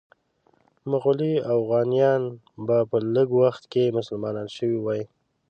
مغولي اوغانیان به په لږ وخت کې مسلمانان شوي وي.